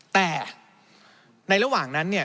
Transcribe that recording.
แต่ในระหว่างนั้นเนี่ย